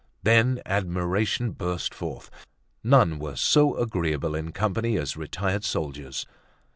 Then admiration burst forth. None were so agreeable in company as retired soldiers.